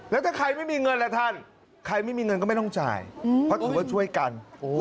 แล้วถ้าใครไม่มีเงินล่ะท่านใครไม่มีเงินก็ไม่ต้องจ่ายเพราะถือว่าช่วยกัน